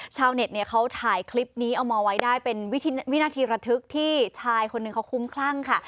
ชาวเน็ตเนี่ยเขาถ่ายคลิปนี้เอามาไว้ได้เป็นวินาทีระทึกที่ชายคนหนึ่งเขาคุ้มคลั่งค่ะ